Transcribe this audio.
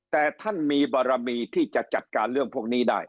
แต่ท่านมีบารมีที่จะจัดการเรื่องพวกนี้ได้